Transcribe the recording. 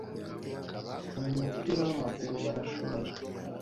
mu mupira w’amaguru barashoboye